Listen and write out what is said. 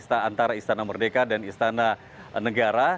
antara istana merdeka dan istana negara